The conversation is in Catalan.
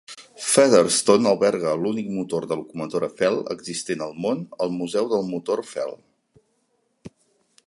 Featherston alberga l'únic motor de locomotora Fell existent al món al Museu del motor Fell.